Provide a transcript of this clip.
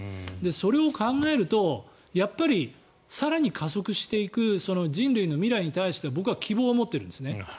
それを考えるとやっぱり更に加速していく人類の未来に対して僕は希望を持ってるんですね。